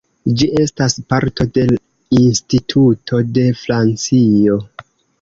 Ĝi estas parto de Instituto de Francio.